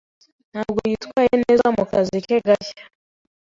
Ntabwo yitwaye neza mu kazi ke gashya.